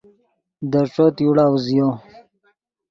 دے ݯوت یوڑا اوزیو